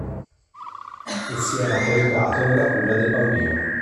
E s'era coricato nella culla del bambino.